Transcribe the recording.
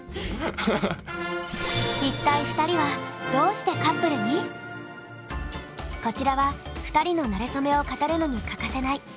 一体２人はこちらは２人のなれそめを語るのに欠かせないなれそメモ！